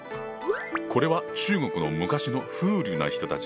これは中国の昔の風流な人たちを描いた絵。